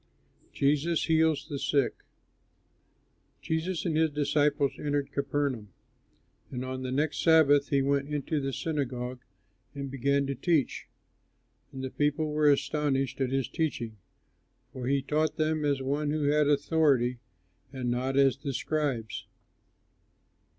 JESUS HEALS THE SICK Jesus and his disciples entered Capernaum; and on the next Sabbath he went into the synagogue and began to teach. And the people were astonished at his teaching, for he taught them as one who had authority, and not as the scribes.